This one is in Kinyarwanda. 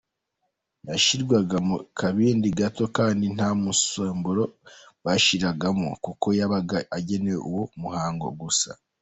Yashyirwaga mu kabindi gato kandi nta musemburo bashyiragamo kuko yabaga agenewe uwo muhango gusa.